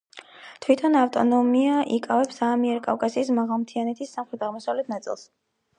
თვითონ ავტონომია იკავებს ამიერკავკასიის მაღალმთიანეთის სამხრეთ-აღმოსავლეთ ნაწილს.